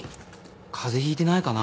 風邪ひいてないかな。